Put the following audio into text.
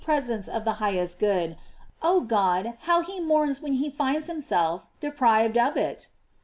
553 presence of the highest good, oh God, how he mourns when he finds himself deprived of it